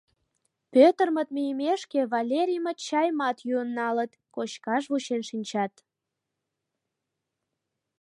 Пӧтырмыт мийымешке, Валериймыт чайымат йӱын налыт, кочкаш вучен шинчат.